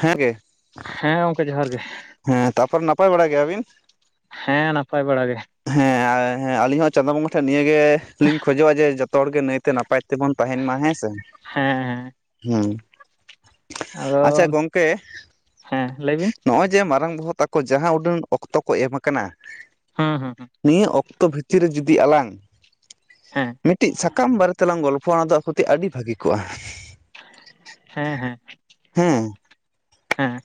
ᱦᱮᱸ ᱜᱮ [unintelligible] ᱜᱚᱝᱠᱮ ᱡᱚᱦᱟᱨ ᱜᱮ ᱦᱮᱸ ᱛᱟᱨᱯᱚᱨ ᱱᱟᱯᱟᱭ ᱵᱟᱲᱟ ᱜᱮᱭᱟᱵᱤᱱ ᱦᱮᱸ ᱱᱟᱯᱟᱭ ᱵᱟᱲᱟ ᱜᱮ᱾ ᱦᱮᱸ ᱦᱮᱸ ᱟᱞᱤᱧ ᱦᱚᱸ ᱪᱟᱸᱫᱚ ᱵᱚᱸᱜᱟ ᱴᱷᱮᱱ ᱱᱤᱭᱟᱹᱜ ᱜᱮ ᱞᱤᱧ ᱠᱷᱚᱡᱚᱜᱼᱟ ᱡᱮ ᱡᱚᱛᱚ ᱦᱚᱲ ᱜᱮ ᱱᱟᱭᱛᱮ ᱱᱟᱯᱟᱭ ᱛᱮ ᱛᱮᱵᱚᱱ ᱛᱟᱦᱮᱱ ᱢᱟ ᱦᱮᱸ ᱥᱮ ᱦᱮᱸ ᱦᱮᱸ ᱦᱩᱸ ᱟᱫᱚ ᱟᱪᱪᱷᱟ ᱜᱚᱝᱠᱮ ᱦᱮᱸ ᱞᱟᱹᱭ ᱵᱤᱱ ᱱᱚᱜᱼᱚᱭ ᱡᱮ ᱢᱟᱨᱟᱝ ᱵᱚᱦᱚᱜ ᱟᱠᱚ ᱡᱟᱦᱟᱸ ᱩᱰᱟᱹᱱ ᱚᱠᱛᱚ ᱠᱚ ᱮᱢ ᱟᱠᱟᱱᱟ ᱦᱮᱸ ᱦᱮᱸ ᱦᱮᱸ ᱱᱤᱭᱟᱹ ᱚᱠᱛᱚ ᱵᱷᱤᱛᱨᱤ ᱨᱮ ᱡᱩᱫᱤ ᱟᱞᱟᱝ ᱦᱮᱸ ᱢᱤᱫᱴᱤᱡ ᱥᱟᱠᱟᱢ ᱵᱟᱨᱮ ᱛᱮᱞᱟᱝ ᱜᱚᱞᱯᱚᱼᱟ ᱚᱱᱟ ᱫᱚ ᱟᱹᱰᱤ ᱵᱷᱟᱹᱜᱤ ᱠᱚᱜᱼᱟ ᱦᱮᱸ ᱦᱮᱸ ᱦᱮᱸ ᱦᱮᱸ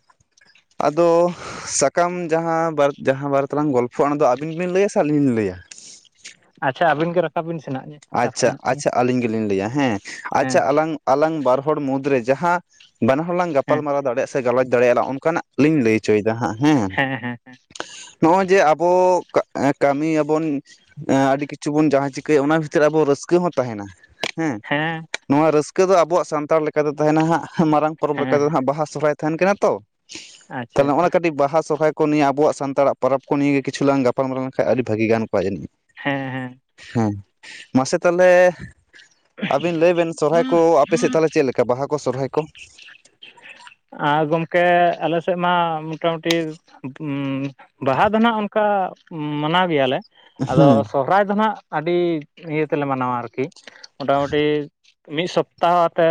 ᱟᱫᱚ ᱥᱟᱠᱟᱢ ᱡᱟᱦᱟᱸ ᱵᱟᱨ ᱡᱟᱦᱟᱸ ᱵᱟᱨᱮ ᱛᱮᱞᱟᱝ ᱜᱚᱞᱯᱷᱚᱼᱟ ᱚᱱᱟᱫᱚ ᱟᱹᱵᱤᱱ ᱵᱤᱱ ᱞᱟᱹᱭᱟ ᱥᱮ ᱟᱹᱞᱤᱧ ᱞᱤᱧ ᱞᱟᱹᱭᱟ᱾ ᱟᱪᱪᱷᱟ ᱟᱹᱵᱤᱱ ᱜᱮ ᱨᱟᱠᱟᱵ ᱵᱤᱱ ᱥᱮᱱ ᱦᱟᱸᱜ ᱟᱪᱪᱷᱟ ᱞᱤᱧ ᱟᱪᱪᱷᱟ ᱟᱹᱞᱤᱧ ᱜᱮᱞᱤᱧ ᱞᱟᱹᱭᱟ ᱦᱮᱸ ᱟᱪᱪᱷᱟ ᱦᱮᱸ ᱟᱞᱟᱝ ᱟᱞᱟᱝ ᱵᱟᱨ ᱦᱚᱲ ᱢᱩᱫᱽᱨᱮ ᱡᱟᱦᱟᱸ, ᱵᱟᱱᱟᱦ ᱦᱚᱲᱞᱟᱝ ᱦᱮᱸ ᱜᱟᱯᱟᱞᱢᱟᱨᱟᱣ ᱫᱟᱲᱮᱭᱟᱜ ᱥᱮ ᱜᱟᱞᱚᱪ ᱫᱟᱲᱮᱭᱟᱜᱞᱟᱝ ᱚᱱᱠᱟᱱᱟᱜᱞᱤᱧ ᱞᱟᱹᱭ ᱚᱪᱚᱭᱮᱫᱟ ᱦᱟᱸᱜ ᱦᱮᱸ ᱱᱚᱜᱼᱚᱭ ᱡᱮ ᱟᱵᱚ ᱠᱟᱹᱢᱤ ᱭᱟᱵᱚᱱ ᱟᱹᱰᱤ ᱠᱤᱪᱷᱩ ᱵᱚᱱ ᱡᱟᱦᱟᱸ ᱪᱤᱠᱟᱹᱭᱟ ᱚᱱᱟ ᱪᱮᱫ ᱟᱵᱚ ᱨᱟᱹᱥᱠᱟᱹ ᱦᱚᱸ ᱛᱟᱦᱮᱱᱟ ᱦᱮᱸ ᱱᱚᱣᱟ ᱨᱟᱹᱥᱠᱟᱹ ᱫᱚ ᱟᱵᱚᱣᱟᱜ ᱥᱟᱱᱛᱟᱲ ᱞᱮᱠᱟ ᱫᱚ ᱛᱟᱦᱮᱱᱟ ᱦᱟᱸᱜ ᱢᱟᱨᱟᱝ ᱯᱚᱨᱚᱵᱽ ᱦᱮᱸ ᱞᱮᱠᱟ ᱞᱮᱠᱟᱛᱮ ᱦᱮᱸ ᱦᱟᱸᱜ ᱵᱟᱦᱟ ᱥᱚᱨᱦᱟᱭ ᱛᱟᱦᱮᱱ ᱠᱟᱱᱟ ᱛᱚ ᱛᱟᱦᱚᱞᱮ ᱟᱪᱪᱷᱟ ᱱᱚᱜᱼᱚᱭ ᱠᱟᱹᱴᱤᱡ ᱵᱟᱦᱟ ᱥᱚᱨᱦᱟᱭ ᱱᱤᱭᱟᱹ ᱟᱵᱚᱣᱟᱜ ᱥᱟᱱᱛᱟᱲ ᱯᱚᱨᱚᱵ ᱠᱚ ᱱᱤᱭᱮ ᱠᱤᱪᱷᱩ ᱞᱟᱝ ᱜᱟᱯᱟᱞᱢᱟᱨᱟᱣ ᱞᱮᱱᱠᱟᱱ ᱟᱹᱰᱤ ᱵᱷᱟᱹᱜᱤ ᱜᱟᱱ ᱠᱚᱜ ᱡᱟᱹᱱᱤᱡ ᱦᱮᱸ ᱦᱮᱸ ᱦᱮᱸ ᱢᱟᱥᱮ ᱛᱟᱦᱚᱞᱮ ᱟᱹᱵᱤᱱ ᱞᱟᱹᱭ ᱵᱮᱱ ᱥᱚᱨᱦᱟᱭ ᱠᱚ ᱟᱯᱮ ᱥᱮᱫ ᱛᱟᱦᱚᱞᱮ ᱪᱮᱫᱞᱮ ᱞᱮᱠᱟ ᱵᱟᱦᱟ ᱠᱚ ᱥᱚᱨᱦᱟᱭ ᱠᱚ ᱟᱨ ᱜᱚᱝᱠᱮ ᱟᱞᱮ ᱥᱮᱫ ᱢᱟ ᱢᱚᱴᱟᱢᱩᱴᱤ ᱵᱟᱦᱟ ᱫᱚ ᱦᱟᱸᱜ ᱜ ᱚᱱᱠᱟ ᱢᱟᱱᱟᱣ ᱜᱮᱭᱟ ᱞᱮ ᱟᱫᱚ ᱥᱚᱨ ᱦᱩᱸ ᱥᱚᱨᱦᱟᱭ ᱫᱚ ᱱᱟᱦᱟᱸᱜ ᱟᱹᱰᱤ ᱤᱭᱟᱹ ᱛᱮᱞᱮ ᱢᱟᱱᱟᱣᱟ ᱟᱨᱠᱤ ᱢᱚᱴᱟᱢᱩᱴᱤ ᱢᱤᱫ ᱥᱚᱯᱛᱟ ᱦᱚᱸ ᱛᱮ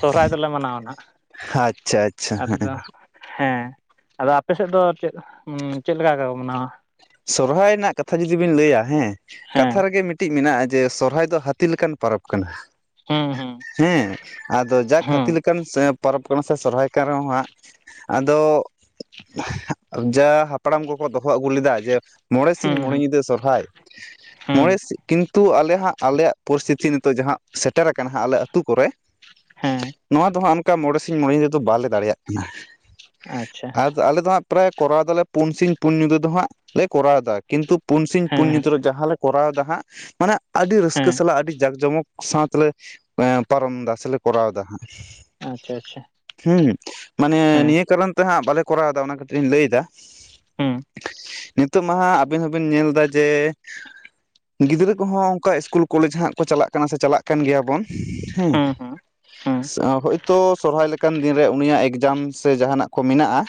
ᱥᱚᱦᱨᱟᱭ ᱫᱚᱞᱮ ᱢᱟᱱᱟᱣᱟ ᱱᱟ ᱦᱟᱸᱜ᱾ ᱟᱪᱪᱷᱟ ᱟᱪ ᱟᱫᱚ ᱦᱮᱸ ᱟᱫᱚ ᱟᱯᱮ ᱥᱮᱫ ᱫᱚ ᱪᱮᱫ ᱪᱮᱫ ᱞᱮᱠᱟ ᱢᱟᱱᱟᱣᱟ ᱥᱚᱨᱦᱟᱭ ᱨᱮᱱᱟᱜ ᱠᱟᱛᱷᱟ ᱡᱩᱫᱤ ᱵᱤᱱ ᱞᱟᱹᱭᱟ ᱦᱮᱸ ᱦᱮᱸ ᱠᱟᱛᱷᱟ ᱨᱮᱜᱮ ᱢᱤᱫᱴᱤᱡ ᱢᱮᱱᱟᱜᱼᱟ ᱡᱮ ᱥᱚᱨᱦᱟᱭ ᱫᱚ ᱦᱟᱹᱛᱤ ᱞᱮᱠᱟᱱ ᱯᱚᱨᱚᱵᱽ ᱠᱟᱱᱟ ᱦᱩᱸ ᱦᱩᱸ ᱦᱮᱸ ᱟᱫᱚ ᱡᱟ ᱦᱟᱹᱛᱤ ᱦᱩᱸ ᱞᱮᱠᱟᱱ ᱡᱤᱴ. ᱯᱚᱨᱚᱵ ᱠᱟᱱᱟ ᱥᱮ ᱥᱚᱨᱦᱟᱭ ᱠᱟᱱ ᱨᱮᱦᱚᱸ ᱦᱟᱸᱜ ᱟᱫᱚ ᱡᱟ ᱦᱟᱯᱲᱟᱢ ᱠᱚᱠᱚ ᱫᱚᱦᱚᱸ ᱟᱹᱜᱩ ᱞᱮᱫᱟ ᱡᱮ ᱢᱚᱬᱮ ᱦᱩᱸ ᱥᱤᱧ ᱢᱚᱬᱮ ᱦᱩᱸ ᱧᱤᱫᱟᱹ ᱥᱚᱨᱦᱟᱭ ᱦᱩᱸ ᱢᱚᱬᱮ ᱥᱤᱧ ᱠᱤᱱᱛᱩ ᱟᱞᱮ ᱦᱟᱸᱜ ᱟᱞᱮᱭᱟᱜ ᱯᱚᱨᱤᱥᱛᱷᱤᱛᱤ ᱱᱤᱛᱚᱜ ᱡᱟᱦᱟᱸ ᱥᱮᱴᱮᱨ ᱟᱠᱟᱱᱟ ᱦᱟᱸᱜ ᱟᱞᱮ ᱟᱹᱛᱩ ᱠᱚᱨᱮ ᱦᱮᱸ ᱱᱚᱣᱟ ᱫᱚ ᱦᱟᱸᱜ ᱚᱱᱠᱟ ᱢᱚᱬᱮ ᱥᱤᱧ ᱢᱚᱬᱮ ᱧᱤᱫᱟᱹ ᱫᱚ ᱵᱟᱞᱮ ᱫᱟᱲᱮᱭᱟᱜ ᱠᱟᱱᱟ ᱾ ᱟᱪᱪᱷᱟ ᱟᱫ ᱟᱞᱮ ᱫᱚ ᱦᱟᱸᱜ ᱯᱨᱟᱭ ᱠᱚᱨᱟᱣ ᱫᱟᱞᱮ ᱯᱩᱱ ᱥᱤᱧ ᱯᱩᱱ ᱧᱤᱫᱟᱹ ᱫᱚ ᱦᱟᱸᱜ ᱞᱮ ᱠᱚᱨᱟᱣ ᱮᱫᱟ ᱠᱤᱱᱛᱩ ᱯᱩᱱ ᱥᱤᱧ ᱯᱩᱱ ᱦᱮᱸ ᱧᱤᱛᱚᱜ ᱡᱟᱦᱟᱸ ᱞᱮ ᱠᱚᱨᱟᱣ ᱮᱫᱟ ᱦᱟᱸᱜ ᱢᱟᱱᱮ ᱟᱹᱰᱤ ᱨᱟᱹᱥᱠᱟᱹ ᱦᱮᱸ ᱥᱟᱞᱟᱜ ᱟᱹᱰᱤ ᱡᱟᱠ ᱡᱚᱢᱚᱠ ᱥᱟᱶ ᱛᱮᱞᱮ ᱯᱟᱨᱚᱢ ᱫᱟ ᱥᱮᱞᱮ ᱠᱚᱨᱟᱣ ᱫᱟ ᱦᱟᱸᱜ ᱟᱪᱪᱷᱟ ᱟᱪᱪᱷᱟ ᱦᱩᱸ ᱢᱟᱱᱮ ᱦᱮᱸ ᱱᱤᱭᱟᱹ ᱠᱟᱨᱚᱱ ᱛᱮ ᱦᱟᱸᱜ ᱵᱟᱞᱮ ᱠᱚᱨᱟᱣ ᱫᱟ ᱚᱱᱟ ᱠᱟᱹᱴᱤᱡ ᱞᱤᱧ ᱞᱟᱹᱭ ᱮ ᱛᱮᱦᱟᱜ ᱦᱩᱸ ᱱᱤᱛᱚᱜ ᱢᱟ ᱦᱟᱜ ᱟᱵᱤᱱ ᱦᱚᱸᱵᱤᱱ ᱧᱮᱞ ᱮᱫᱟ ᱡᱮ ᱜᱤᱫᱽᱨᱟᱹ ᱠᱚᱦᱚᱸ ᱚᱱᱠᱟ ᱤᱥᱠᱩᱞ ᱠᱚᱞᱮᱡᱽ ᱦᱟᱜ ᱠᱚ ᱪᱟᱞᱟᱜ ᱠᱟᱱᱟ ᱥᱮ ᱪᱟᱞᱟᱜ ᱠᱟᱱ ᱜᱮᱭᱟ ᱵᱚᱱ ᱦᱮᱸ ᱦᱩᱸ ᱦᱩᱸ ᱦᱩᱸ ᱦᱳᱭᱛᱳ ᱥᱚᱨᱚᱦᱟᱭ ᱞᱮᱠᱟᱱ ᱫᱤᱱ ᱨᱮ ᱩᱱᱤᱭᱟᱜ ᱮᱠᱡᱟᱢ ᱥᱮ ᱡᱟᱦᱟᱱᱟᱜ ᱠᱚ ᱢᱮᱱᱟᱜᱼᱟ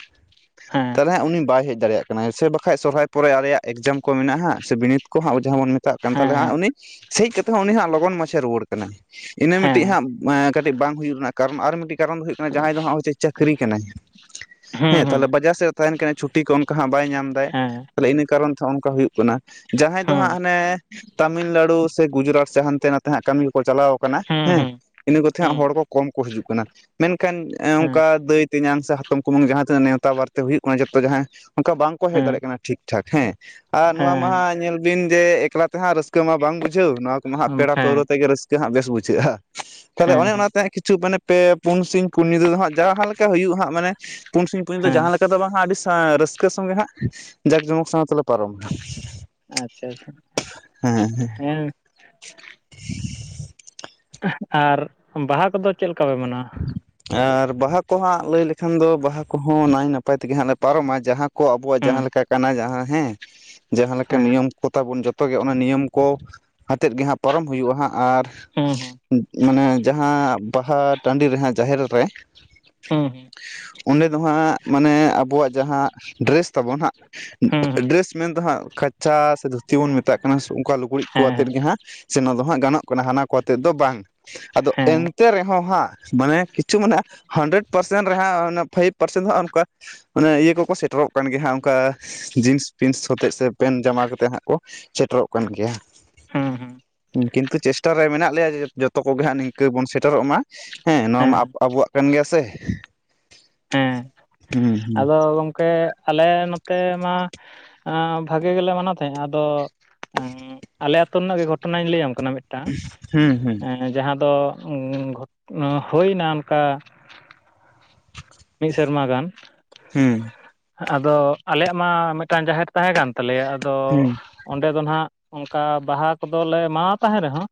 ᱦᱮᱸ ᱛᱟᱦᱚᱞᱮ ᱩᱱᱤ ᱵᱟᱭ ᱦᱮᱡ ᱫᱟᱲᱮᱭᱟᱜ ᱠᱟᱱᱟ ᱦᱮ ᱥᱮ ᱵᱟᱝ ᱵᱟᱠᱷᱟᱡ ᱥᱚᱨᱦᱟᱭ ᱯᱚᱨᱮ ᱟᱞᱮᱭᱟᱜ ᱮᱠᱡᱟᱢ ᱠᱚ ᱢᱮᱱᱟᱜᱼᱟ ᱥᱮ ᱵᱤᱱᱤᱰ ᱠᱚ ᱦᱟᱜ ᱡᱟᱦᱟᱸ ᱵᱚᱱ ᱢᱮᱛᱟᱜ ᱠᱟᱱ ᱦᱮᱸ ᱛᱟᱦᱚᱞᱮ ᱦᱟᱜ ᱦᱮᱸ ᱩᱱᱤ ᱥᱮᱭ ᱠᱟᱛᱷᱟ ᱦᱚᱸ ᱩᱱᱤ ᱦᱟᱸᱟᱜ ᱞᱚᱜᱚᱱ ᱢᱟᱪᱮ ᱨᱩᱣᱟᱹᱲ ᱠᱟᱱᱟᱭ ᱾ ᱤᱱᱟᱹ ᱢᱤᱫᱴᱤᱡ ᱦᱮᱸ ᱦᱟᱸᱜ ᱮ ᱠᱟᱹᱴᱤᱡ ᱵᱟᱝ ᱦᱩᱭᱩᱜ ᱨᱮᱱᱟᱜ ᱠᱟᱨᱚᱱ ᱟᱨ ᱢᱤᱫᱴᱤᱡ ᱠᱟᱨᱚᱱ ᱫᱚ ᱦᱩᱭᱩᱜ ᱠᱟᱱᱟ ᱡᱟᱦᱟᱸᱭ ᱫᱚ ᱦᱟᱜ ᱦᱚᱼᱭᱮ ᱪᱟᱹᱠᱨᱤ ᱠᱟᱱᱟᱭ ᱾ [unintelligible] ᱦᱩᱸ ᱦᱮᱸ ᱦᱩᱸ ᱛᱟᱦᱚᱞᱮ ᱵᱟᱡᱟᱨ ᱥᱮᱫ ᱛᱟᱦᱮᱱ ᱠᱟᱭ ᱪᱷᱩᱴᱤ ᱠᱚ ᱚᱱᱠᱟ ᱦᱟᱸᱜ ᱵᱟᱭ ᱧᱟᱢ ᱫᱟᱭ ᱦᱮᱸ ᱛᱟᱦᱮ ᱤᱱᱟᱹ ᱠᱟᱨᱚᱱ ᱛᱮ ᱚᱱᱠᱟ ᱦᱩᱭᱩᱜ ᱠᱟᱱᱟ ᱡᱟᱦᱟᱸᱭ ᱫᱚ ᱦᱟᱸᱜ ᱦᱩᱸ ᱦᱟᱱᱮ ᱛᱟᱢᱤᱞᱱᱟᱹᱲᱩ ᱥᱮ ᱜᱩᱡᱨᱟᱴ ᱥᱮ ᱦᱟᱱᱛᱮ ᱱᱟᱛᱮ ᱦᱟᱜ ᱠᱟᱹᱢᱤ ᱠᱚ ᱪᱟᱞᱟᱣ ᱠᱟᱱᱟ ᱦᱩᱸ ᱦᱩᱸ ᱦᱮᱸ ᱤᱱᱟᱹ ᱠᱚᱛᱮ ᱦᱟᱸᱜ ᱦᱩᱸ ᱦᱚᱲ ᱠᱚ ᱠᱚᱢ ᱠᱚ ᱦᱤᱡᱩᱜ ᱠᱟᱱᱟ ᱾ ᱢᱮᱱᱠᱷᱟᱱ ᱦᱮᱸ ᱚᱱᱠᱟ ᱫᱟᱹᱭ ᱛᱮᱧᱟᱝ ᱥᱮ ᱦᱟᱛᱚᱢ ᱠᱩᱢᱟᱝ ᱡᱟᱦᱟᱸ ᱛᱤᱱᱟᱹᱜ ᱱᱮᱣᱛᱟ ᱵᱟᱨᱛᱮ ᱦᱩᱭᱩᱜ ᱠᱟᱱᱟ ᱡᱚᱛᱚ ᱡᱟᱦᱟᱸ ᱚᱱᱠᱟ ᱵᱟᱝᱠᱚ ᱦᱮᱡ ᱦᱮᱸ ᱫᱟᱲᱮᱭᱟᱜ ᱠᱟᱱᱟ ᱴᱷᱤᱠ ᱴᱷᱟᱠ ᱦᱮᱸ ᱟᱨ ᱱᱚᱣᱟ ᱢᱟ ᱦᱮᱸ ᱦᱟᱸᱜ ᱧᱮᱞ ᱵᱤᱱ ᱡᱮ ᱮᱠᱞᱟ ᱛᱮ ᱦᱟᱸᱜ ᱨᱟᱹᱥᱠᱟᱹ ᱢᱟ ᱵᱟᱝ ᱵᱩᱡᱷᱟᱹᱣ ᱱᱚᱣᱟ ᱠᱚᱢᱟ ᱦᱟᱸᱜ ᱯᱮᱲᱟ ᱯᱟᱹᱣᱨᱟᱹ ᱛᱮᱜᱮ ᱨᱟᱹᱥᱠᱟᱹ ᱦᱟᱸᱜ ᱵᱮᱥ ᱵᱩᱡᱷᱟᱹᱜᱼᱟ ᱾ ᱛᱟᱦᱚᱞᱮ ᱦᱮᱸ ᱚᱱᱮ ᱦᱮᱸ ᱚᱱᱟᱛᱮ ᱠᱤᱪᱷᱩ ᱢᱟᱱᱮ ᱯᱮ ᱯᱩᱱ ᱥᱤᱧ ᱯᱩᱱ ᱧᱤᱫᱟᱹ ᱫᱚ ᱦᱟᱸᱜ ᱡᱟᱦᱟᱸ ᱞᱮᱠᱟ ᱦᱩᱭᱩᱜᱼᱟ ᱦᱟᱸᱜ ᱢᱟᱱᱮ ᱯᱩᱱ ᱥᱤᱧᱴᱧ ᱯᱩᱱ ᱫᱚ ᱡᱟᱦᱟᱸ ᱦᱮᱸ ᱞᱮᱠᱟ ᱫᱚ ᱵᱟᱝ ᱦᱟᱜ ᱟᱹᱰᱤ ᱨᱟᱹᱥᱠᱟᱹ ᱥᱚᱸᱜᱮ ᱦᱟᱸᱜ ᱡᱟᱠ ᱡᱚᱢᱚᱠ ᱥᱟᱶ ᱛᱮᱞᱮ ᱯᱟᱨᱚᱢᱟ ᱟᱪᱪᱷᱟ ᱟᱪᱪᱷᱟ ᱦᱮᱸ ᱟᱨ ᱵᱟᱦᱟ ᱠᱚᱫᱚ ᱪᱮᱫ ᱞᱮᱠᱟ ᱯᱮ ᱢᱟᱱᱟᱣᱟ? ᱟᱨ ᱵᱟᱦᱟ ᱠᱚ ᱦᱟᱸᱜ ᱞᱟᱹᱭ ᱞᱮᱠᱷᱟᱱ ᱫᱚ ᱵᱟᱦᱟ ᱠᱚᱦᱚᱸ ᱱᱟᱭ ᱱᱟᱯᱟᱭ ᱛᱮᱜᱮ ᱦᱟᱸᱜ ᱞᱮ ᱯᱟᱨᱚᱢᱟ ᱡᱟᱦᱟᱸ ᱠᱚ ᱟᱵᱚᱣᱟᱜ ᱦᱩᱸ ᱡᱟᱦᱟᱸ ᱞᱮᱠᱟ ᱠᱟᱱᱟ ᱡᱟᱦᱟᱸ ᱦᱮᱸ ᱡᱟᱦᱟᱸ ᱞᱮᱠᱟ ᱦᱮᱸ ᱱᱤᱭᱚᱢ ᱠᱚᱛᱟᱵᱚᱱ ᱡᱚᱛᱚ ᱜᱮ ᱚᱱᱟ ᱱᱤᱭᱚᱢ ᱠᱚ ᱟᱛᱮᱫ ᱜᱮ ᱦᱟᱸᱜ ᱯᱟᱨᱚᱢ ᱦᱩᱭᱩᱜᱼᱟ ᱦᱟᱸᱜ ᱟᱨ ᱦᱩᱸ ᱦᱩᱸ ᱢᱟᱱᱮ ᱡᱟᱦᱟᱸ ᱵᱟᱦᱟ ᱴᱟᱺᱰᱤ ᱨᱮᱦᱟᱸ ᱡᱟᱦᱮᱨ ᱨᱮ ᱦᱩᱸ ᱦᱩᱸ ᱚᱸᱰᱮ ᱫᱚ ᱦᱟᱸᱜ ᱢᱟᱱᱮ ᱟᱵᱚᱣᱟᱜ ᱡᱟᱦᱟᱸ ᱰᱨᱮᱥ ᱛᱟᱵᱚᱱ ᱦᱟᱸᱜ ᱦᱩᱸ ᱦᱮᱸ ᱰᱨᱮᱥ ᱢᱮᱱᱫᱚ ᱦᱟᱸᱜ ᱠᱟᱪᱟ ᱥᱮ ᱫᱷᱩᱛᱤ ᱵᱚᱱ ᱢᱮᱛᱟᱜ ᱠᱟᱱᱟ ᱚᱱᱠᱟ ᱞᱩᱜᱽᱲᱤᱡ ᱠᱚ ᱟᱛᱮᱫ ᱦᱮᱸ ᱜᱮ ᱦᱟᱸᱜ ᱥᱮ ᱱᱚᱣᱟ ᱫᱚ ᱦᱟᱸᱜ ᱜᱟᱱᱚᱜ ᱠᱟᱱᱟ ᱦᱟᱱᱟ ᱠᱚ ᱟᱛᱮᱫ ᱫᱚ ᱵᱟᱝ ᱟᱫᱚ ᱦᱮᱸ ᱮᱱᱛᱮ ᱨᱮᱦᱚᱸ ᱦᱟᱸᱜ ᱢᱟᱱᱮ ᱠᱤᱪᱷᱩ ᱢᱮᱱᱮ ᱦᱟᱱᱰᱨᱮᱰ ᱯᱟᱨᱥᱮᱱ ᱨᱮᱦᱟᱸ ᱯᱷᱟᱭᱤᱵᱷ ᱯᱟᱨᱥᱮᱱ ᱦᱚᱸ ᱚᱱᱠᱟ ᱚᱱᱮ ᱤᱭᱟᱹ ᱠᱚᱠᱚ ᱥᱮᱴᱮᱨᱚᱜ ᱠᱟᱱ ᱜᱮ ᱦᱟᱜ ᱚᱱᱠᱟ ᱡᱤᱱᱥ ᱯᱤᱱᱥ ᱦᱚᱛᱮᱥ ᱥᱮ ᱯᱮᱱ ᱡᱟᱢᱟ ᱠᱚ ᱛᱮ ᱦᱟᱸᱜ ᱠᱚ ᱥᱮᱴᱮᱨᱚᱜ ᱠᱟᱱ ᱜᱮᱭᱟ ᱾ ᱦᱩᱸ ᱦᱩᱸ ᱠᱤᱱᱛᱩ ᱪᱮᱥᱴᱟ ᱨᱮ ᱢᱮᱱᱟᱜ ᱞᱮᱭᱟ ᱡᱮ ᱡᱚᱛᱚ ᱠᱚᱜᱮ ᱦᱟᱸᱜ ᱱᱤᱝᱠᱟᱹ ᱵᱚᱱ ᱥᱮᱴᱮᱨᱚᱜ ᱢᱟ ᱦᱮᱸ ᱱᱚᱣᱟᱢᱟ ᱟᱵᱚᱣᱟᱜ ᱠᱟᱱ ᱜᱮᱭᱟ ᱥᱮ ᱦᱮᱸ ᱦᱩᱸ ᱟᱫᱚ ᱜᱚᱝᱠᱮ ᱟᱞᱮ ᱱᱚᱛᱮ ᱢᱟ ᱵᱷᱟᱜᱮ ᱜᱮᱞᱮ ᱢᱟᱱᱟᱣ ᱛᱟᱦᱮᱸᱼᱟ ᱟᱫᱚ ᱟᱞᱮ ᱟᱛᱳ ᱨᱮᱱᱟᱜ ᱜᱮ ᱜᱷᱚᱴᱚᱱᱟᱧ ᱞᱟᱹᱭᱟᱢ ᱠᱟᱱᱟ ᱢᱤᱫᱴᱟᱝ ᱦᱩᱸ ᱦᱩᱸ ᱡᱟᱦᱟᱸ ᱫᱚ ᱦᱩᱭᱱᱟ ᱚᱱᱠᱟ ᱢᱤᱫ ᱥᱮᱨᱢᱟ ᱜᱟᱱ ᱦᱮᱸ ᱟᱫᱚ ᱟᱞᱮᱭᱟᱜ ᱢᱟ ᱢᱤᱫᱴᱟᱱ ᱡᱟᱦᱮᱨ ᱛᱟᱦᱮᱸ ᱠᱟᱱ ᱛᱟᱞᱮᱭᱟ ᱟᱫᱚ ᱦᱩᱸ ᱚᱸᱰᱮ ᱫᱚ ᱱᱟᱦᱟᱜ ᱚᱱᱠᱟ ᱵᱟᱦᱟ ᱠᱚᱫᱚᱞᱮ ᱮᱢᱟᱣᱟ ᱛᱟᱦᱮᱸ ᱨᱮᱦᱚᱸ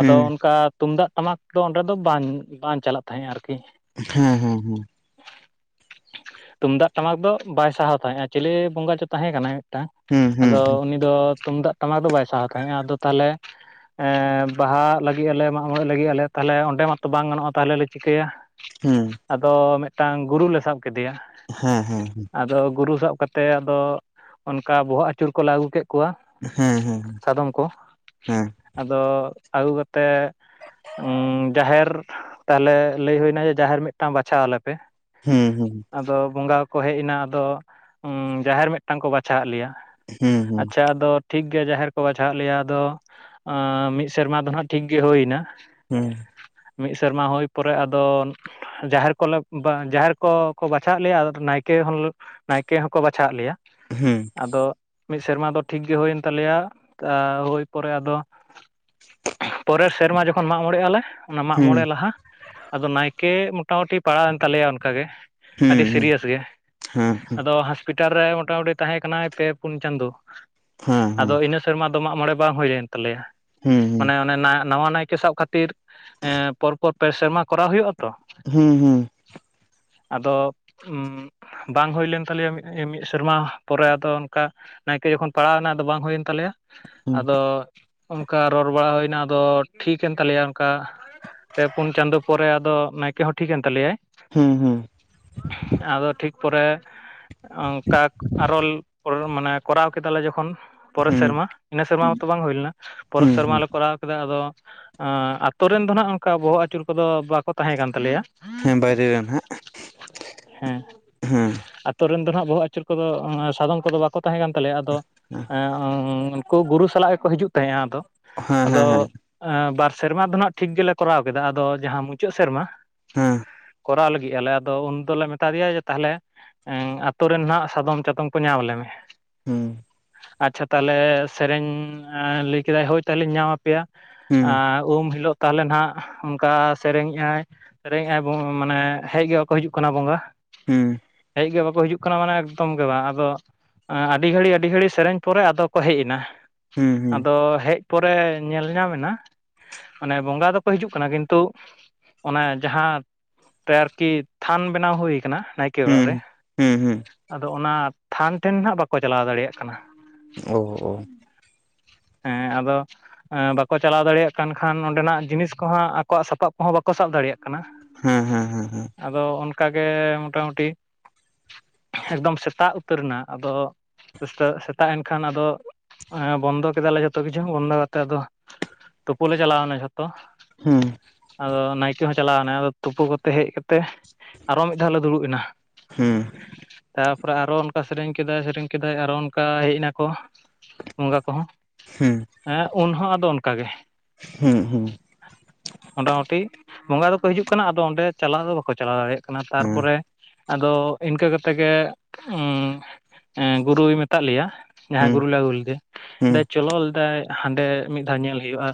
ᱟᱫᱚ ᱚᱱᱠᱟ ᱛᱩᱢᱫᱟᱜ ᱴᱟᱢᱟᱠ ᱫᱚ ᱚᱸᱰᱮ ᱫᱚ ᱵᱟᱝ ᱵᱟᱝ ᱪᱟᱞᱟᱜ ᱛᱟᱦᱮᱸᱜᱼᱟ ᱟᱨᱠᱤ ᱦᱮᱸ ᱦᱮᱸ ᱦᱮᱸ ᱛᱩᱢᱫᱟᱜ ᱴᱟᱢᱟᱠ ᱫᱚ ᱵᱟᱭ ᱥᱟᱦᱟᱣ ᱛᱟᱦᱮᱸᱫᱼᱟ ᱪᱤᱞᱮ ᱵᱚᱸᱜᱟ ᱪᱚ ᱛᱟᱦᱮᱸ ᱠᱟᱱᱟᱭ ᱢᱤᱫᱴᱟᱝ ᱦᱮᱸ ᱦᱮᱸ ᱦᱮᱸ ᱦᱩᱸ ᱦᱩᱸ ᱟᱫᱚ ᱩᱱᱤ ᱫᱚ ᱛᱩᱢᱫᱟᱜ ᱴᱟᱢᱟᱠ ᱫᱚ ᱵᱟᱭ ᱥᱟᱦᱟᱣ ᱛᱟᱦᱮᱸᱜᱼᱟ ᱟᱫᱚ ᱛᱟᱦᱚᱞᱮ ᱵᱟᱦᱟ ᱞᱟᱹᱜᱤᱫ ᱟᱞᱮ ᱢᱟᱜ ᱢᱚᱬᱮ ᱞᱟᱹᱜᱤᱫ ᱟᱞᱮ ᱛᱟᱦᱚᱞᱮ ᱚᱸᱰᱮ ᱢᱟᱛᱚ ᱵᱟᱝ ᱜᱟᱱᱚᱜᱼᱟ ᱛᱟᱦᱚᱞᱮ ᱞᱮ ᱪᱤᱠᱟᱹᱭᱟ ᱦᱮᱸ ᱟᱫᱚ ᱢᱤᱫᱴᱟᱝ ᱜᱩᱨᱩ ᱞᱮ ᱥᱟᱵ ᱠᱮᱫᱮᱭᱟ ᱦᱮᱸ ᱦᱮᱸ ᱦᱮᱸ ᱟᱫᱚ ᱜᱩᱨᱩ ᱥᱟᱵ ᱠᱟᱛᱮᱫ ᱟᱫᱚ ᱚᱱᱠᱟ ᱵᱚᱦᱚᱜ ᱟᱹᱪᱩᱨ ᱠᱚᱞᱮ ᱟᱹᱜᱩ ᱠᱮᱫ ᱠᱚᱣᱟ ᱦᱮᱸ ᱥᱟᱫᱚᱢ ᱠᱚ ᱦᱮᱸ ᱟᱫᱚ ᱟᱹᱜᱩ ᱠᱟᱛᱮᱫ ᱡᱟᱦᱮᱨ ᱛᱟᱦᱚᱞᱮ ᱞᱟᱹᱭ ᱦᱩᱭᱮᱱᱟ ᱡᱮ ᱡᱟᱦᱮᱨ ᱢᱤᱫᱴᱟᱝ ᱵᱟᱪᱷᱟᱣ ᱟᱞᱮᱯᱮ ᱦᱩᱸ ᱦᱩᱸᱸ ᱟᱫᱚ ᱵᱚᱸᱜᱟ ᱠᱚ ᱦᱮᱡ ᱮᱱᱟ ᱟᱫᱚ ᱡᱟᱦᱮᱨ ᱢᱤᱫᱴᱟᱝ ᱠᱚ ᱵᱟᱪᱷᱟᱫ ᱞᱮᱭᱟ ᱦᱩᱸ ᱦᱩᱸ ᱟᱪᱷᱟ ᱟᱫᱚ ᱴᱷᱤᱠ ᱜᱮ ᱡᱟᱦᱮᱨ ᱠᱚ ᱵᱟᱪᱷᱟᱣᱟᱜ ᱞᱮᱭᱟ ᱟᱫᱚ ᱢᱤᱫ ᱥᱮᱨᱢᱟ ᱫᱚ ᱱᱟᱜ ᱴᱷᱤᱠ ᱜᱮ ᱦᱩᱭ ᱮᱱᱟ ᱦᱩᱸ ᱢᱤᱫ ᱥᱮᱨᱢᱟ ᱦᱩᱭ ᱯᱚᱨᱮ ᱟᱫᱚ ᱡᱟᱦᱮᱨ ᱠᱚᱞᱮ ᱡᱟᱦᱮᱨ ᱠᱚ ᱠᱚ ᱵᱟᱪᱷᱟᱣ ᱞᱮᱭᱟ ᱟᱫᱚ ᱱᱟᱭᱠᱮ ᱦᱚᱸ ᱱᱟᱭᱠᱮ ᱦᱚᱸᱠᱚ ᱵᱟᱪᱷᱟᱣ ᱮ ᱞᱮᱭᱟ ᱦᱩᱸ ᱟᱫᱚ ᱢᱤᱫ ᱥᱮᱨᱢᱟ ᱫᱚ ᱴᱷᱤᱠ ᱜᱮ ᱦᱩᱭᱮᱱ ᱛᱟᱞᱮᱭᱟ ᱟ ᱦᱩᱭ ᱯᱚᱨᱮ ᱟᱫᱚ ᱯᱚᱨᱮᱨ ᱥᱮᱨᱢᱟ ᱡᱚᱠᱷᱚᱱ ᱢᱟᱜ ᱢᱚᱬᱮᱜᱼᱟᱞᱮ ᱚᱱᱟ ᱢᱟᱜ ᱦᱩᱸ ᱢᱚᱬᱮ ᱞᱟᱦᱟ ᱟᱫᱚ ᱱᱟᱭᱠᱮ ᱢᱚᱴᱟᱢᱩᱴᱤ ᱯᱟᱲᱟᱣᱮᱱ ᱛᱟᱞᱮᱭᱟ ᱚᱱᱠᱟᱜᱮ ᱦᱩᱸ ᱟᱰᱤ ᱦᱩᱸ ᱥᱤᱨᱤᱭᱟᱥ ᱜᱮ ᱦᱮᱸ ᱟᱫᱚ ᱦᱟᱥᱯᱤᱴ ᱴᱟᱨᱮ ᱢᱚᱴᱟᱢᱩᱴᱤ ᱛᱟᱦᱮᱸ ᱠᱟᱱᱟᱭ ᱯᱮ ᱯᱩᱱ ᱪᱟᱸᱫᱚᱳ ᱦᱮᱸ ᱟᱫᱚ ᱦᱮᱸ ᱤᱱᱟᱹ ᱥᱮᱨᱢᱟ ᱫᱚ ᱢᱟᱜ ᱢᱚᱬᱮ ᱵᱟᱝ ᱦᱩᱭᱮᱱ ᱛᱟᱞᱮᱭᱟ ᱦᱩᱸ ᱢᱟᱱᱮ ᱚᱱᱮ ᱚᱱᱮ ᱱᱟᱣᱟ ᱱᱟᱭᱠᱮ ᱥᱟᱵ ᱠᱷᱟᱹᱛᱤᱨ ᱮ ᱯᱚᱨ ᱯᱚᱨ ᱯᱮ ᱥᱮᱨᱢᱟ ᱠᱚᱨᱟᱣ ᱦᱩᱭᱩᱜ ᱟᱛᱚ ᱦᱩᱸ ᱦᱩᱸ ᱟᱫᱚ ᱦᱩᱸᱵᱟᱝ ᱦᱩᱭ ᱞᱮᱱ ᱛᱟᱞᱮᱭᱟ ᱢᱤᱫ ᱥᱮᱨᱢᱟ ᱯᱚᱨᱮ ᱟᱫᱚ ᱚᱱᱠᱟ ᱱᱟᱭᱠᱮ ᱡᱚᱠᱷᱚᱱ ᱯᱟᱲᱟᱣ ᱮᱱᱟ ᱟᱫᱚ ᱵᱟᱝ ᱦᱳᱭᱮᱱ ᱛᱟᱞᱮᱭᱟ ᱟᱫᱚ ᱚᱱᱠᱟ ᱨᱚᱨ ᱵᱟᱲᱟ ᱦᱩᱭᱱᱟ ᱟᱫᱚ ᱴᱷᱤᱠᱮᱱ ᱛᱟᱞᱮᱭᱟ ᱚᱱᱠᱟ ᱯᱮ ᱯᱩᱸᱱ ᱪᱟᱫᱳ ᱯᱚᱨᱮ ᱟᱫᱚ ᱱᱟᱭᱠᱮ ᱦᱚᱸ ᱴᱷᱤᱠᱮᱱ ᱛᱟᱞᱮᱭᱟᱭ ᱦᱩᱸ ᱦᱩᱸ ᱟᱫᱚ ᱴᱷᱤᱠ ᱯᱚᱨᱮ ᱚᱱᱠᱟᱜ ᱟᱨᱚᱞ ᱢᱟᱱᱮ ᱠᱚᱨᱟᱣ ᱠᱮᱫᱟᱞᱮ ᱡᱚᱠᱷᱚᱱ ᱯᱚᱨᱮᱨ ᱦᱩᱸ ᱥᱮᱨᱢᱟ ᱤᱱᱟᱹ ᱥᱮᱨᱢᱟ ᱢᱟᱛᱚ ᱵᱟᱝ ᱦᱩᱭᱞᱱᱟ ᱯᱚᱨᱮᱨ ᱦᱩᱸ ᱥᱮᱨᱢᱟ ᱦᱩᱸ ᱞᱮ ᱠᱚᱨᱟᱣ [inaudible] ᱟᱫᱚ ᱟᱛᱳ ᱨᱮᱱ ᱫᱚ ᱱᱟᱦᱜ ᱚᱱᱠᱟ ᱵᱚᱦᱚᱜ ᱟᱹᱪᱩᱨ ᱠᱚᱫᱚ ᱵᱟᱠᱚ ᱛᱟᱸᱦᱮᱸ ᱠᱟᱱ ᱛᱟᱞᱮᱭᱟ ᱦᱮᱸ ᱵᱟᱭᱨᱮ ᱨᱮᱱ ᱦᱟᱜ ᱦᱮᱸ ᱟᱛᱳ ᱨᱮᱱ ᱫᱚ ᱱᱟᱦᱟᱜ ᱵᱚᱦᱚᱜ ᱟᱹᱪᱩᱨ ᱠᱚᱫᱚ ᱥᱟᱫᱚᱢ ᱠᱚᱫᱚ ᱵᱟᱠᱚ ᱛᱟᱦᱮᱸ ᱠᱟᱱ ᱛᱟᱞᱮᱭᱟ ᱟᱫᱚ ᱦᱮᱸ ᱠᱳ ᱜᱩᱨᱩ ᱥᱟᱞᱟᱜ ᱜᱮᱠᱚ ᱦᱤᱡᱩᱜ ᱛᱟᱦᱮᱸᱜᱼᱟ ᱟᱫᱚ ᱦᱮᱸ ᱟᱫᱚᱼ ᱦᱮᱸ ᱦᱮᱸ ᱵᱟᱨ ᱥᱮᱨᱢᱟ ᱫᱚ ᱦᱟᱸᱜ ᱴᱷᱤᱠ ᱜᱮᱞᱮ ᱠᱚᱨᱟᱣ ᱠᱮᱫᱟ ᱟᱫᱚ ᱡᱟᱦᱟᱸ ᱢᱩᱪᱟᱹᱫ ᱥᱮᱨᱢᱟ ᱠᱚᱨᱟᱶ ᱞᱮᱫ ᱜᱮᱭᱟᱞᱮ ᱟᱫᱚ ᱩᱱ ᱫᱚᱞᱮ ᱢᱮᱛᱟ ᱫᱮᱭᱟ ᱡᱮ ᱛᱟᱦᱞᱮ ᱟᱛᱩᱨᱮᱱ ᱱᱟᱜ ᱥᱟᱫᱚᱢ ᱪᱟᱛᱚᱢ ᱠᱚ ᱧᱟᱢ ᱟᱞᱮ ᱢᱮ ᱦᱩᱸ ᱟᱪᱪᱷᱟ ᱛᱟᱦᱟᱞᱮ ᱥᱮᱨᱮᱧ ᱞᱟᱹᱭ ᱠᱮᱫᱟᱭ ᱦᱳᱭ ᱛᱟᱦᱚᱞᱮᱧ ᱧᱟᱢ ᱟᱯᱮᱭᱟ ᱦᱩᱸ ᱟᱨ ᱩᱢ ᱦᱤᱞᱳᱜ ᱛᱟᱦᱚᱞᱮ ᱱᱟᱜ ᱚᱱᱠᱟ ᱥᱮᱨᱮᱧᱮᱜᱼᱟᱭ ᱥᱮᱨᱮᱧᱟᱭ ᱢᱟᱱᱮ ᱦᱮᱡ ᱜᱮ ᱵᱟᱠᱚ ᱦᱤᱡᱩᱜ ᱠᱟᱱᱟ ᱵᱚᱸᱜᱟ ᱦᱩᱸ ᱦᱮᱡ ᱜᱮ ᱵᱟᱠᱚ ᱦᱤᱡᱩᱜ ᱠᱟᱱᱟ ᱢᱟᱱᱮ ᱮᱠᱫᱚᱢ ᱜᱮ ᱵᱟᱝ ᱟᱫᱚ ᱟᱹᱰᱤ ᱜᱷᱟᱹᱲᱤ ᱟᱹᱰᱤ ᱜᱷᱟᱹᱲᱤᱡ ᱥᱮᱨᱮᱧ ᱯᱚᱨᱮ ᱟᱫᱚ ᱠᱚ ᱦᱮᱡ ᱮᱱᱟ ᱦᱩᱸ ᱟᱫᱚ ᱦᱮᱡ ᱯᱚᱨᱮ ᱧᱮᱞ ᱧᱟᱢᱮ ᱮᱱᱟ ᱢᱟᱱᱮ ᱵᱚᱸᱜᱟ ᱫᱚᱠᱚ ᱦᱤᱡᱩᱜ ᱠᱟᱱᱟ ᱠᱤᱱᱛᱩ ᱚᱱᱟᱮ ᱡᱟᱦᱟᱸ ᱟᱨᱠᱤ ᱛᱷᱟᱱ ᱵᱮᱱᱟᱣ ᱦᱩᱭ ᱠᱟᱱᱟ ᱱᱟᱭᱠᱮ ᱦᱩᱸ ᱚᱲᱟᱜ ᱦᱩᱸ ᱨᱮ ᱦᱩᱸ ᱦᱩᱸ ᱟᱫᱚ ᱚᱱᱟ ᱛᱷᱟᱱ ᱴᱷᱮᱱ ᱱᱟᱜ ᱵᱟᱠᱚ ᱪᱟᱞᱟᱣ ᱫᱟᱲᱮᱭᱟᱜ ᱠᱟᱱᱟ ᱚᱸ ᱚᱸ ᱦᱮᱸ ᱟᱫᱚ ᱦᱮᱸ ᱵᱟᱠᱚ ᱪᱟᱞᱟᱣ ᱫᱟᱲᱮᱭᱟᱜ ᱠᱟᱱ ᱠᱷᱟᱱ ᱚᱸᱰᱮᱱᱟᱜ ᱡᱤᱱᱤᱥ ᱠᱚᱦᱚᱸ ᱟᱠᱚᱣᱟᱜ ᱥᱟᱯᱟᱵ ᱠᱚᱦᱚᱸ ᱵᱟᱠᱚ ᱥᱟᱵ ᱫᱟᱲᱮᱭᱟᱜ ᱠᱟᱱᱟ ᱦᱮᱸ ᱦᱮᱸ ᱦᱮᱸ ᱦᱮᱸ ᱟᱫᱚ ᱚᱱᱠᱟᱜᱮ ᱢᱚᱴᱟᱢᱩᱴᱤ ᱮᱠᱫᱚᱢ ᱥᱮᱛᱟᱜ ᱩᱛᱟᱹᱨ ᱮᱱᱟ ᱟᱫᱚ ᱥᱮᱛᱟᱜ ᱮᱱᱠᱷᱟᱱ ᱟᱫᱚ ᱦᱮᱸ ᱵᱚᱱᱫᱚ ᱠᱮᱫᱟᱞᱮ ᱡᱷᱚᱛᱚ ᱠᱤᱪᱷᱩ ᱵᱚᱱᱫᱚ ᱠᱟᱛᱮ ᱟᱫᱚ ᱛᱩᱯᱩ ᱞᱮ ᱪᱟᱞᱟᱣᱱᱟ ᱡᱷᱚᱛᱚ ᱦᱩᱸ ᱟᱫᱚ ᱱᱟᱭᱠᱮ ᱦᱚᱸ ᱪᱟᱞᱟᱣ ᱮᱱᱟ ᱟᱫᱚ ᱛᱩᱯᱩ ᱠᱟᱛᱮ ᱦᱮᱡ ᱠᱟᱛᱮ ᱟᱨᱚ ᱢᱤᱫ ᱫᱷᱟᱣ ᱞᱮ ᱫᱩᱲᱩᱵ ᱮᱱᱟ ᱦᱩᱸ ᱛᱟᱨᱯᱚᱨᱮ ᱟᱨᱚ ᱚᱱᱠᱟ ᱥᱮᱨᱮᱧ ᱠᱮᱫᱟᱭ ᱥᱮᱨᱮᱧ ᱠᱮᱫᱟᱭ ᱟᱨᱚ ᱚᱱᱠᱟ ᱦᱮᱡ ᱮᱱᱟᱠᱚ ᱵᱚᱸᱜᱟ ᱠᱚᱦᱚᱸ ᱦᱩᱸ ᱦᱮᱸ ᱩᱱ ᱦᱚᱸ ᱟᱫᱚ ᱚᱱᱠᱟᱜᱮ ᱦᱩᱸ ᱦᱩᱸ ᱢᱚᱴᱟᱢᱩᱴᱤ ᱵᱚᱸᱜᱟ ᱫᱚᱠᱚ ᱦᱤᱡᱩᱜ ᱠᱟᱱᱟ ᱟᱫᱚ ᱚᱸᱰᱮ ᱪᱟᱞᱟᱣ ᱫᱚ ᱵᱟᱠᱚ ᱪᱟᱞᱟᱣ ᱫᱟᱲᱮᱭᱟᱜ ᱠᱟᱱᱟ ᱦᱮᱸ ᱛᱟᱨᱯᱚᱨᱮ ᱟᱫᱚ ᱤᱱᱠᱟᱹ ᱠᱟᱛᱮ ᱜᱮ ᱜᱩᱨᱩᱭ ᱢᱮᱛᱟᱫ ᱞᱮᱭᱟ ᱡᱟᱦᱟᱸ ᱦᱩᱸ ᱜᱩᱨ ᱞᱮ ᱟᱹᱜᱩ ᱞᱮᱫᱮ ᱦᱩᱸ ᱪᱚᱞᱚ ᱞᱮᱫᱟᱭ ᱦᱟᱸᱰᱮ ᱢᱤᱫ ᱫᱷᱟᱣ ᱧᱮᱞ ᱦᱩᱭᱩᱜᱼᱟ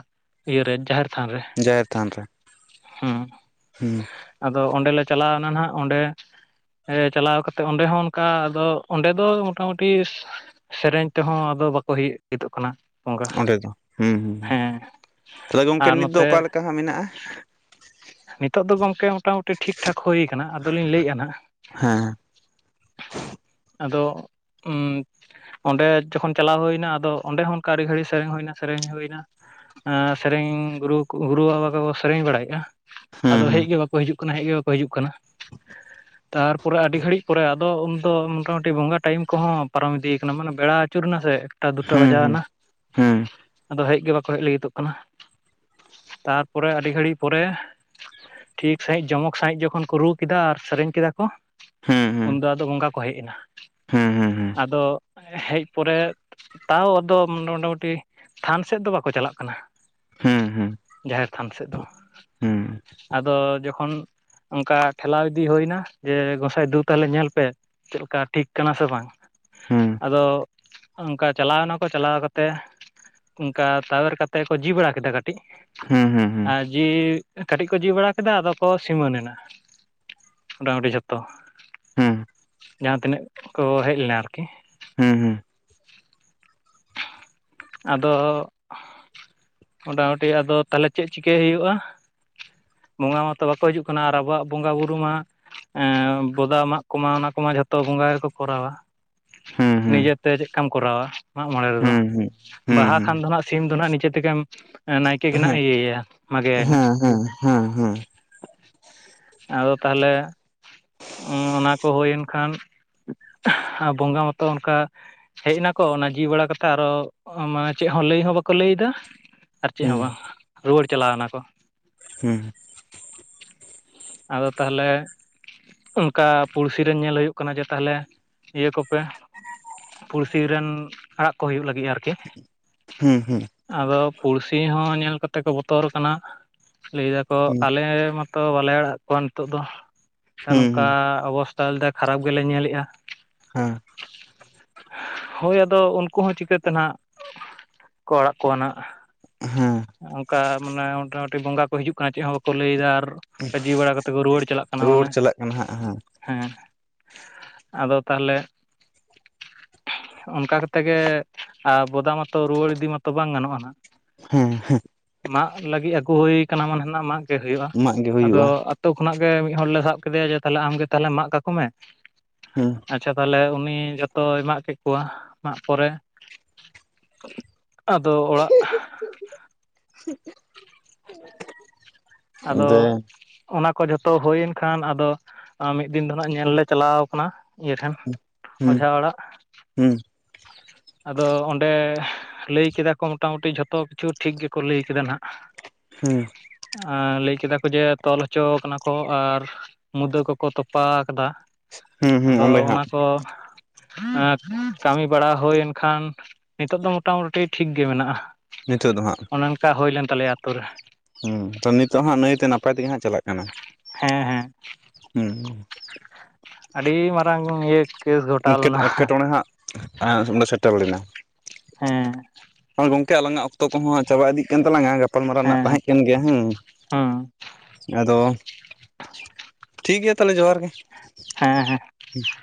ᱤᱭᱟᱹᱨᱮ ᱡᱟᱦᱮᱨ ᱛᱷᱟᱱ ᱨᱮ ᱡᱟᱦᱮᱨ ᱛᱷᱟᱱ ᱨᱮ ᱦᱩᱸ ᱦᱩᱸ ᱟᱫᱚ ᱚᱸᱰᱮᱞᱮ ᱪᱟᱞᱟᱣᱱᱟ ᱱᱟᱜ ᱚᱸᱰᱮ ᱪᱟᱞᱟᱣ ᱠᱟᱛᱮᱫ ᱚᱸᱰᱮ ᱦᱚᱸ ᱚᱱᱠᱟ ᱟᱫᱚ ᱚᱸᱰᱮ ᱫᱚ ᱢᱚᱴᱟᱢᱩᱴᱤ ᱥᱮᱨᱮᱧ ᱛᱮᱦᱚᱸ ᱟᱫᱚ ᱵᱟᱠᱚ ᱦᱚᱭ ᱦᱤᱡᱩᱜ ᱠᱟᱱᱟ ᱚᱱᱠᱟ ᱚᱸᱰᱮ ᱫᱚ ᱦᱩᱸ ᱦᱩᱸ ᱦᱮᱸ ᱛᱟᱦᱞᱮ ᱜᱚᱢᱠᱮ ᱟᱨ ᱱᱤᱛ ᱫᱚ ᱚᱠᱟᱞ ᱱᱚᱛᱮ ᱞᱮᱠᱟ ᱦᱟᱸ ᱢᱮᱱᱟᱜᱼᱟ ᱱᱤᱛᱚᱜ ᱫᱚ ᱜᱚᱢᱠᱮ ᱢᱚᱴᱟᱢᱩᱴᱤ ᱴᱷᱤᱠ ᱴᱷᱟᱠ ᱦᱩᱭ ᱠᱟᱱᱟ ᱟᱫᱚᱞᱤᱧ ᱞᱟᱹᱭᱮᱫᱼᱟ ᱱᱟᱸᱜ ᱦᱮᱸ ᱦᱮᱸ᱾ ᱟᱫᱚ ᱩᱸ ᱚᱸᱰᱮ ᱡᱚᱠᱷᱚᱱ ᱪᱟᱞᱟᱣ ᱦᱩᱭᱱᱟ ᱟᱫᱚ ᱚᱸᱰᱮ ᱦᱚᱸ ᱚᱱᱠᱟ ᱟᱹᱰᱤ ᱜᱷᱟᱹᱲᱤ ᱥᱮᱨᱮᱧ ᱦᱩᱭᱱᱟ ᱥᱮᱨᱮᱧ ᱦᱩᱭᱱᱟ ᱥᱮᱨᱮᱧ ᱜᱩᱨᱩ ᱜᱩᱨᱩ ᱵᱟᱵᱟ ᱠᱚᱠᱚ ᱥᱮᱨᱮᱧ ᱵᱟᱲᱟᱭᱮᱫᱼᱟ ᱦᱩᱸ ᱟᱫᱚ ᱦᱮᱡ ᱜᱮ ᱵᱟᱠᱚ ᱦᱤᱡᱩᱜ ᱠᱟᱱᱟ ᱦᱮᱡ ᱜᱮ ᱵᱟᱠᱚ ᱦᱤᱡᱩᱜ ᱠᱟᱱᱟ ᱛᱟᱨᱯᱚᱨᱮ ᱟᱹᱰᱤ ᱜᱷᱟᱹᱲᱤᱡ ᱯᱚᱨᱮ ᱟᱫᱚ ᱩᱱᱫᱚ ᱢᱚᱴᱟᱢᱩᱴᱤ ᱵᱚᱸᱜᱟ ᱴᱟᱭᱤᱢ ᱠᱚᱦᱚᱸ ᱯᱟᱨᱚᱢ ᱤᱫᱤᱭ ᱠᱟᱱᱟ ᱢᱟᱱᱮ ᱵᱮᱲᱟ ᱟᱹᱪᱩᱨᱱᱟ ᱥᱮ ᱮᱠᱴᱟ ᱫᱩᱴᱟ ᱦᱩᱸ ᱵᱟᱡᱟᱣ ᱦᱩᱸ ᱮᱱᱟ ᱦᱩᱸ ᱟᱫᱚ ᱦᱮᱡ ᱜᱮ ᱵᱟᱠᱚ ᱦᱮᱡ ᱞᱟᱹᱜᱤᱫᱚᱜ ᱠᱟᱱᱟ ᱛᱟᱨᱯᱚᱨᱮ ᱟᱹᱰᱤ ᱜᱷᱟᱹᱲᱤᱡ ᱯᱚᱨᱮ ᱴᱷᱤᱠ ᱥᱟᱹᱦᱤᱡ ᱡᱚᱢᱚᱠ ᱥᱟᱹᱦᱤᱡ ᱡᱚᱠᱷᱚᱱ ᱠᱚ ᱨᱩ ᱠᱮᱫᱟ ᱟᱨ ᱥᱮᱨᱮᱧ ᱠᱮᱫᱟ ᱠᱚ, ᱦᱩᱸ ᱦᱩᱸ ᱩᱱᱫᱚ ᱟᱫᱚ ᱵᱚᱸᱜᱟ ᱠᱚ ᱦᱮᱡ ᱮᱱᱟ ᱦᱩᱸ ᱦᱩᱸ ᱦᱩᱸ ᱟᱫᱚ ᱦᱮᱡ ᱯᱚᱨᱮ, ᱛᱟᱣ ᱟᱫᱚ ᱢᱚᱴᱟᱢᱩᱴᱤ ᱛᱷᱟᱱ ᱥᱮᱫ ᱫᱚ ᱵᱟᱠᱚ ᱪᱟᱞᱟᱜ ᱠᱟᱱᱟ᱾ ᱦᱩᱸ ᱦᱩᱸ ᱦᱩᱸ ᱡᱟᱦᱮᱨ ᱛᱷᱟᱱ ᱥᱮᱫ ᱫᱚ᱾ ᱦᱩᱸ ᱟᱫᱚ ᱡᱚᱠᱷᱚᱱ ᱚᱱᱠᱟ ᱴᱷᱮᱞᱟᱣ ᱤᱫᱤ ᱦᱩᱭᱱᱟ ᱡᱮ ᱜᱚᱸᱥᱟᱭ ᱫᱩ ᱛᱟᱦᱞᱮ ᱧᱮᱞ ᱯᱮ, ᱪᱮᱫᱞᱮᱠᱟ ᱴᱷᱤᱠ ᱠᱟᱱᱟ ᱥᱮ ᱵᱟᱝ? ᱦᱩᱸ ᱟᱫᱚ ᱚᱱᱠᱟ ᱪᱟᱞᱟᱣ ᱱᱟᱠᱚ ᱪᱟᱞᱟᱣ ᱠᱟᱛᱮ ᱚᱱᱠᱟ ᱛᱟᱣᱮᱨ ᱠᱟ ᱠᱟᱛᱮᱮᱫ ᱠᱚ ᱡᱤ ᱵᱟᱲᱟ ᱠᱮᱫᱟ ᱠᱟᱹᱴᱤᱡ᱾ ᱦᱩᱸ ᱦᱩᱸ ᱟᱨ ᱡᱤ ᱠᱟᱹᱴᱤᱡ ᱠᱚ ᱡᱤ ᱵᱟᱲᱟ ᱠᱮᱫᱟ ᱟᱫᱚ ᱠᱚ ᱥᱤᱢᱟᱹᱱ ᱮᱱᱟ ᱢᱚᱴᱟᱢᱩᱴᱤ ᱡᱷᱚᱛᱚ᱾ ᱡᱟᱦᱟᱸ ᱛᱤᱱᱟᱹᱜ ᱠᱚ ᱦᱮᱡ ᱞᱮᱱᱟ ᱟᱨᱠᱤ᱾ ᱦᱩᱸ ᱦᱩᱸ ᱟᱫᱚ ᱢᱳᱴᱟᱢᱩᱴᱤ ᱟᱫᱚ ᱛᱟᱦᱚᱞᱮ ᱪᱮᱫ ᱪᱤᱠᱟᱹᱭ ᱦᱩᱭᱩᱜᱼᱟ᱾ ᱵᱚᱸᱜᱟ ᱢᱟᱛᱚ ᱵᱟᱠᱚ ᱦᱤᱡᱩᱜ ᱠᱟᱱᱟ ᱟᱨ ᱟᱵᱚᱣᱟᱜ ᱵᱚᱸᱜᱟᱼ ᱵᱩᱨᱩ ᱢᱟ, ᱮᱸ ᱵᱚᱫᱟ ᱢᱟᱜ ᱠᱚᱢᱟ ᱚᱱᱟ ᱠᱚᱢᱟ ᱡᱷᱚᱛᱚ ᱵᱚᱸᱜᱟ ᱜᱮᱠᱚ ᱠᱚᱨᱟᱣᱟ᱾ ᱦᱩᱸ ᱦᱩᱸ ᱦᱩᱸ ᱱᱤᱡᱮᱛᱮ ᱪᱮᱫᱠᱟᱢ ᱠᱚᱨᱟᱣᱟ ᱢᱟᱜ ᱢᱚᱬᱮ ᱨᱮᱫᱚ? ᱵᱟᱦᱟ ᱦᱩᱸ ᱠᱷᱟᱱ ᱫᱚ ᱱᱟᱜ ᱥᱤᱢ ᱫᱚ ᱱᱟᱜ ᱱᱤᱡᱮ ᱛᱮᱜᱮᱢ ᱱᱟᱭᱠᱮ ᱜᱮ ᱱᱟᱜ ᱤᱭᱟᱹᱭᱟ ᱢᱟᱜᱮᱭᱟᱭ ᱱᱟᱜ ᱾ ᱦᱮᱸ ᱦᱮᱸ ᱾ ᱟᱫᱚ ᱛᱟᱦᱚᱞᱮ ᱚᱱᱟ ᱠᱚ ᱦᱩᱭᱮᱱ ᱠᱷᱟᱱ ᱵᱚᱸᱜᱟ ᱢᱟᱛᱚ ᱚᱱᱠᱟ ᱦᱮᱡ ᱱᱟᱠᱚ ᱚᱱᱟ ᱡᱤᱣᱤ ᱵᱟᱲᱟ ᱠᱟᱛᱮ ᱟᱨᱚ ᱢᱟᱱᱮ ᱪᱮᱫ ᱦᱚᱸ ᱞᱟᱹᱭ ᱦᱚᱸ ᱵᱟᱠᱚ ᱞᱟᱹᱭ ᱫᱟ? ᱟᱨ ᱪᱮᱫ ᱦᱚᱸ ᱵᱟᱝ ᱨᱩᱣᱟᱹᱲ ᱪᱟᱞᱟᱣᱱᱟ ᱠᱚ ᱾ ᱦᱩᱸ ᱾ ᱟᱫᱚ ᱛᱟᱦᱚᱞᱮ ᱚᱱᱠᱟ ᱯᱩᱲᱥᱤᱤᱨᱮᱱ ᱧᱮᱞ ᱦᱩᱭᱩᱜ ᱠᱟᱱᱟ ᱡᱮ ᱛᱟᱦᱚᱞᱮ ᱤᱭᱟᱹ ᱠᱚᱯᱮ ᱾ ᱯᱩᱲᱥᱤ ᱨᱮᱱ ᱟᱲᱟᱜ ᱠᱚ ᱦᱩᱭᱩᱜ ᱞᱟᱹᱜᱤᱫ ᱟᱨᱠᱤ ᱾ ᱦᱩᱸ ᱦᱩᱸ ᱾ ᱟᱫᱚ ᱯᱩᱲᱥᱤ ᱦᱚᱸ ᱧᱮᱞ ᱠᱟᱛᱮ ᱠᱚ ᱵᱚᱛᱚᱨ ᱟᱠᱟᱱᱟ ᱾ ᱞᱟᱹᱭ ᱫᱟᱠᱚ ᱟᱞᱮ ᱢᱟᱛᱚ ᱵᱟᱞᱮ ᱟᱲᱟᱜ ᱠᱚᱣᱟ ᱱᱤᱛᱚᱜ ᱫᱚ ᱾ ᱱᱚᱝᱠᱟ ᱚᱵᱚᱥᱛᱷᱟ ᱟᱞᱮ ᱫᱚ ᱠᱷᱟᱨᱟᱯ ᱜᱮᱞᱮ ᱧᱮᱞᱮᱜᱼᱟ ᱾ ᱦᱳᱭ, ᱟᱫᱚ ᱩᱱᱠᱩ ᱦᱚᱸ ᱪᱤᱠᱟᱹᱛᱮ ᱱᱟᱜ ᱠᱚ ᱚᱲᱟᱜ ᱠᱚᱣᱟ ᱱᱟᱦᱜ ᱾ ᱦᱮᱸ ᱚᱱᱠᱟ ᱢᱟᱱᱮ ᱢᱚᱴᱟᱢᱩᱴᱤ ᱵᱚᱸᱜᱟ ᱠᱚ ᱦᱤᱡᱩᱜ ᱠᱟᱱᱟ ᱾ ᱪᱮᱫ ᱦᱚᱸ ᱵᱟᱠᱚ ᱞᱟᱹᱭᱫᱟ ᱟᱨ, ᱡᱤ ᱵᱟᱲᱟ ᱠᱟᱛᱮ ᱠᱚ ᱨᱩᱣᱟᱹᱲ ᱪᱟᱞᱟᱜ ᱠᱟᱱᱟ ᱨᱩᱣᱟᱹᱲ ᱢᱟᱱᱮ, ᱪᱟᱞᱟᱜ ᱠᱟᱱᱟ ᱦᱟᱸᱜ ᱦᱟᱸᱜ ᱦᱮᱸ, ᱟᱫᱚ ᱛᱟᱦᱚᱞᱮ ᱚᱱᱠᱟ ᱠᱟᱛᱮ ᱜᱮ ᱵᱚᱫᱟ ᱢᱟᱛᱚ ᱨᱩᱣᱟᱹᱲ ᱤᱫᱤ ᱢᱟᱛᱚ ᱵᱟᱝ ᱜᱟᱱᱚᱜᱼᱟ ᱱᱟᱜ ᱾ ᱦᱮᱸ ᱦᱮᱸ ᱾ ᱢᱟᱜ ᱞᱟᱹᱜᱤᱫ ᱟᱹᱜᱩ ᱦᱩᱭ ᱠᱟᱱᱟ ᱢᱟᱱᱮ ᱱᱟᱜ ᱢᱟᱜ ᱜᱮ ᱦᱩᱭᱩᱜᱼᱟ ᱾ ᱮᱢᱟᱜ ᱜᱮ ᱟᱫᱚ ᱦᱩᱭᱩᱜᱼᱟ ᱟᱹᱛᱩ ᱠᱷᱚᱱᱟᱜ ᱜᱮ ᱢᱤᱫ ᱦᱚᱲ ᱞᱮ ᱥᱟᱵ ᱠᱮᱫᱮᱭᱟ ᱡᱮ, ᱛᱟᱦᱞᱮ ᱟᱢᱜᱮ ᱛᱟᱦᱞᱮ ᱢᱟᱜ ᱠᱟᱠᱚ ᱢᱮ ᱦᱮᱸ ᱾ ᱟᱪᱪᱷᱟ ᱾ ᱛᱟᱦᱚᱞᱮ ᱩᱱᱤ ᱡᱚᱛᱚᱭ ᱢᱟᱜ ᱠᱮᱫ ᱠᱚᱣᱟ, ᱢᱟᱜ ᱯᱚᱨᱮ ᱟᱫᱚ ᱚᱲᱟᱜ [inaudible] ᱟᱫᱚ ᱫᱮ ᱚᱱᱟ ᱠᱚ ᱡᱷᱚᱛᱚ ᱦᱩᱭᱮᱱ ᱠᱷᱟᱱ ᱟᱫᱚ ᱢᱤᱫ ᱫᱤᱱ ᱫᱚ ᱱᱟᱜ ᱧᱮᱞ ᱞᱮ ᱪᱟᱞᱟᱣ ᱠᱟᱱᱟ, ᱤᱭᱟᱹ ᱴᱷᱮᱱ ᱦᱩᱸ ᱚᱡᱷᱟ ᱚᱲᱟᱜ, ᱦᱩᱸ ᱟᱫᱚ ᱚᱸᱰᱮ ᱞᱟᱹᱭ ᱠᱮᱫᱟ ᱠᱚ ᱢᱚᱴᱟᱢᱩᱴᱤ ᱡᱷᱚᱛᱚ ᱠᱤᱪᱷᱩ ᱴᱷᱤᱠ ᱜᱮᱠᱚ ᱞᱟᱹᱭ ᱠᱮᱫᱟ ᱱᱟᱜ ᱦᱩᱸ ᱾ ᱞᱟᱹᱭ ᱠᱮᱫᱟ ᱠᱚ ᱡᱮ ᱛᱚᱞ ᱦᱚᱪᱚᱣᱟ ᱠᱟᱱᱟ ᱠᱚ ᱟᱨ ᱢᱩᱫᱟᱹ ᱠᱚᱠᱚ ᱛᱚᱯᱟ ᱟᱠᱟᱫᱟ ᱦᱩᱸ ᱟᱫᱚ ᱚᱸᱰᱮ ᱦᱟᱸᱜ ᱚᱱᱟ ᱠᱚ ᱠᱟᱹᱢᱤ ᱵᱟᱲᱟ ᱦᱩᱭᱮᱱ ᱠᱷᱟᱱ ᱱᱤᱛᱚᱜ ᱫᱚ ᱢᱚᱴᱟᱢᱩᱴᱤ ᱴᱷᱤᱠ ᱜᱮ ᱢᱮᱱᱟᱜᱼᱟ ᱾ ᱱᱤᱛᱚᱜ ᱫᱚ ᱦᱟᱸᱜ ᱾ ᱪᱟ ᱦᱩᱭᱞᱮᱱ ᱛᱟᱞᱮᱭᱟ ᱟᱹᱛᱩ ᱨᱮ ᱾ ᱦᱩᱸ, ᱛᱚ ᱱᱤᱛᱚᱜ ᱦᱟᱸᱜ ᱱᱩᱹᱭᱛᱮ ᱱᱟᱯᱟᱭ ᱛᱮᱜᱮ ᱦᱟᱸᱜ ᱪᱟᱞᱟᱜ ᱠᱟᱱᱟ ᱾ ᱦᱮᱸ ᱦᱮᱸ ᱾ ᱦᱩᱸ ᱾ ᱟᱹᱰᱤ ᱢᱟᱨᱟᱝ ᱤᱭᱟᱹ ᱠᱮᱥ ᱜᱷᱚᱴᱟᱣ ᱱᱤᱝᱠᱟᱹᱴ ᱞᱮᱱᱟ ᱮᱴᱠᱮᱴᱚᱬᱮ ᱦᱟᱸᱜ ᱟᱸ ᱚᱸᱰᱮ ᱥᱮᱴᱮᱨ ᱞᱮᱱᱟ ᱦᱮᱸ ᱾ ᱦᱳᱭ ᱜᱚᱝᱠᱮ, ᱟᱞᱟᱝᱟᱜᱼᱟ ᱚᱠᱛᱚ ᱠᱚᱦᱚᱸ ᱪᱟᱵᱟ ᱤᱫᱤ ᱠᱟᱱ ᱛᱟᱞᱟᱝᱟ ᱜᱟᱯᱟᱞᱢᱟᱨᱟᱣ ᱨᱮᱱᱟᱜ ᱦᱮᱸ ᱦᱮᱸ ᱛᱟᱦᱮᱸ ᱠᱟᱱ ᱜᱮᱭᱟ ᱦᱮᱸ ᱾ ᱟᱫᱚ ᱴᱷᱤᱠ ᱜᱮᱭᱟ ᱛᱟᱦᱞᱮ, ᱡᱚᱦᱟᱨ ᱜᱮ᱾ ᱦᱮᱸ ᱦᱮᱸ ᱾ [inaudible]